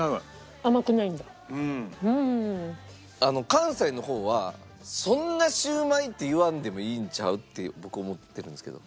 関西の方はそんなシウマイって言わんでもいいんちゃうって僕思ってるんですけど。